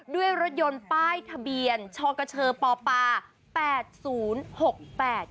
ด้วยรถยนต์ป้ายทะเบียนชกเชอปแปดศูนย์หกแปด